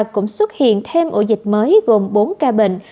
cũng xuất hiện thêm ổ dịch mới gồm bốn ca bệnh